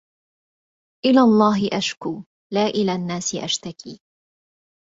إلى الله أشكو لا إلى الناس أشتكي